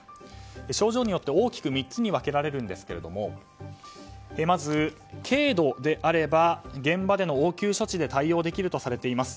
症状によって大きく３つに分けられるんですけれどもまず、軽度であれば現場での応急処置で対応できるとされています。